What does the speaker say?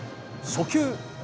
初球。